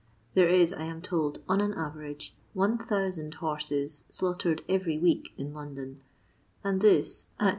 There is, I am told, on an average, 1000 horses slaughtered every week in London, and this, at 21.